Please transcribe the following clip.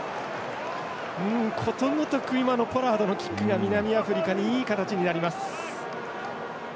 ことごとく今のポラードのキックが南アフリカに、いい形になります。